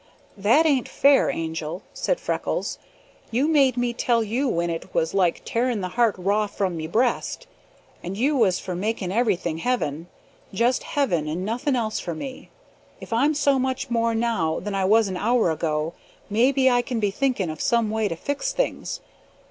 "That ain't fair, Angel," said Freckles. "You made me tell you when it was like tearing the heart raw from me breast. And you was for making everything heaven just heaven and nothing else for me. If I'm so much more now than I was an hour ago, maybe I can be thinking of some way to fix things.